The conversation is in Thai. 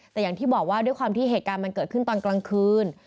แต่อย่างที่บอกว่าด้วยความที่เหตุการณ์มันเกิดขึ้นตอนกลางคืน